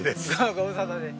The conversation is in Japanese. ご無沙汰です。